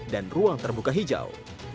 dan ruang terbuka hijau